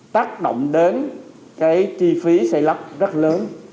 tác động đến cái chi phí xây lắp rất lớn